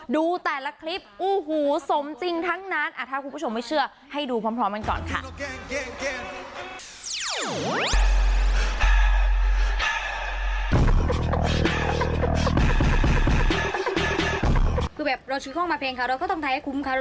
ดูแต่ละคลิปโอ้โหสมจริงทั้งนั้นถ้าคุณผู้ชมไม่เชื่อให้ดูพร้อมกันก่อนค่ะ